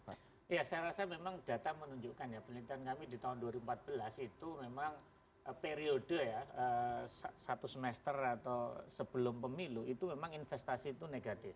ya saya rasa memang data menunjukkan ya penelitian kami di tahun dua ribu empat belas itu memang periode ya satu semester atau sebelum pemilu itu memang investasi itu negatif